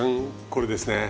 これですね。